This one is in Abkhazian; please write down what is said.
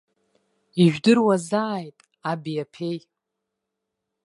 Ижәдыруазааит аби-ԥеи.